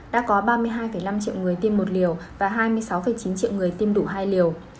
đã có ba mươi hai năm triệu người tiêm một liều và hai mươi sáu chín triệu người tiêm đủ hai liều